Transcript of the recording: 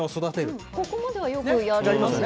ここまではよくやりますよね。